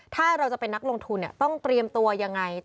ถ้าเราจะเป็นนักลงทุนต้องเตรียมตัวยังไง